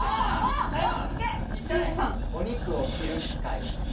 お肉を切る機械。